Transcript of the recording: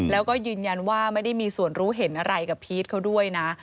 แล้วก็ยืนยันว่าไม่ได้มีส่วนรู้เห็นอะไรกับพีชเขาด้วยนะ